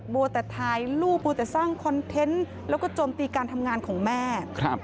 บัวแต่ถ่ายรูปมัวแต่สร้างคอนเทนต์แล้วก็โจมตีการทำงานของแม่